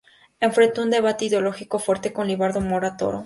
Enfrentó un debate ideológico fuerte con Libardo Mora Toro.